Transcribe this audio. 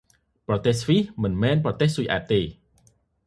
ប្រទេសស្វ៊ីស មិនមែនប្រទេសស៊ុយអែតទេ ។